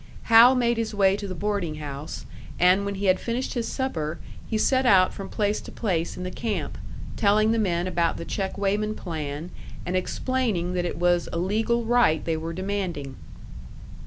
Hal made his way to the boarding house, and when he had finished his supper, he set out from place to place in the camp, telling the men about the check weighman plan and explaining that it was a legal right they were demanding.